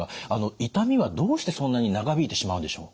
痛みはどうしてそんなに長引いてしまうんでしょう？